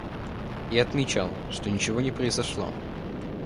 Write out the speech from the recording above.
И отмечал, что ничего не произошло.